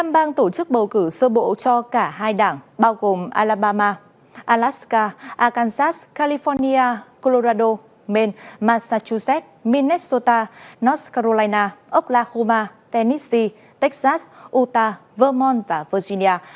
một mươi năm bang tổ chức bầu cử sơ bộ cho cả hai đảng bao gồm alabama alaska arkansas california colorado maine massachusetts minnesota north carolina oklahoma tennessee texas utah vermont và virginia